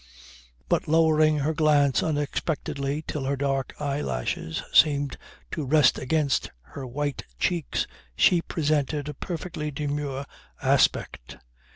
But lowering her glance unexpectedly till her dark eye lashes seemed to rest against her white cheeks she presented a perfectly demure aspect.